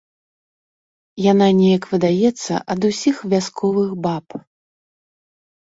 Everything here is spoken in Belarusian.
Яна неяк выдаецца ад усіх вясковых баб.